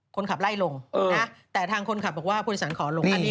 คนขับไล่ลงนะแต่ทางคนขับบอกว่าผู้โดยสารขอลงอันนี้